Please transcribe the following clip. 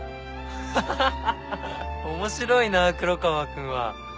ハハハ面白いな黒川君は。